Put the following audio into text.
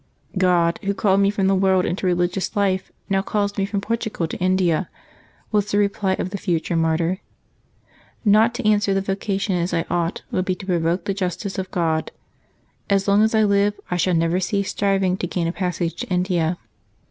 " God, Who called me from the world into religious life, now calls me from Portugal to India," was the reply of the future martyr. " Not to answer the vocation as I ought, would be to provoke the justice of God. As long as I live, I shall never cease striving to gain a passage to India."